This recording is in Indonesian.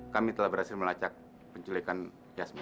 kami telah berhasil melacak penculikan yasmin